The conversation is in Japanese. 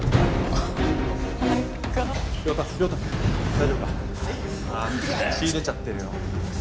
ああ血出ちゃってるよ。